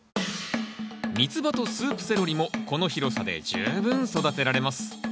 ミツバとスープセロリもこの広さで十分育てられます。